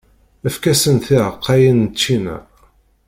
Efk-asen tiɛeqqayin n ččina.